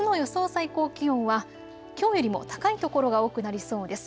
最高気温はきょうよりも高い所が多くなりそうです。